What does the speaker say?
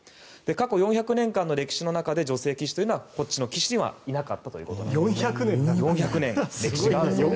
過去４００年間の歴史で女性棋士はこっちの棋士ではいなかったということです。